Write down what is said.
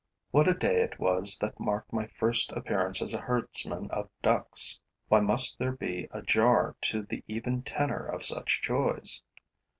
What a day it was that marked my first appearance as a herdsman of ducks! Why must there be a jar to the even tenor of such joys?